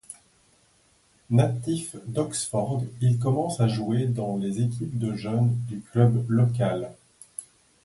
Natif d'Oxford, il commence à jouer dans les équipes de jeunes du club local.